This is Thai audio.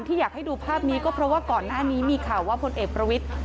อยากให้ดูภาพนี้ก็เพราะว่าก่อนหน้านี้มีข่าวว่าพลเอกประวิทธิ